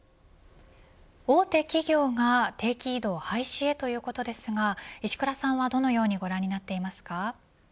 大手企業が定期異動廃止へということですが石倉さんはどのようにご覧になっていますか。